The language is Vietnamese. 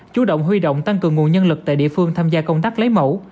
chú động huy động tăng cường nguồn nhân lực tại địa phương tham gia công tác lấy mẫu